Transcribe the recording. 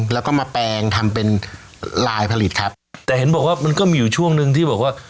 แล้วก็มาแปลงทำเป็นลายผลิตครับแต่เห็นบอกว่ามันก็มีอยู่ช่วงหนึ่งที่บอกว่า